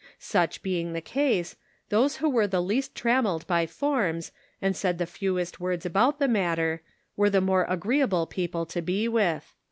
Such being the case, those who were the least trammeled by forms, and said the fewest words about the matter, were the more agreeable people to be with.